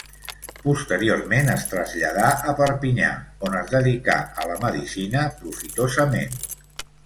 Posteriorment es traslladà a Perpinyà, on es dedicà a la medicina profitosament.